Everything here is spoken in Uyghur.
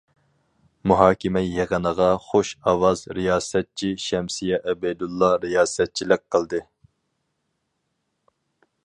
مۇھاكىمە يىغىنىغا خۇش ئاۋاز رىياسەتچى شەمسىيە ئەبەيدۇللا رىياسەتچىلىك قىلدى.